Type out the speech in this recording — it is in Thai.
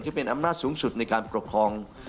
เป็นอำนาจสูงสุดในการปกครอง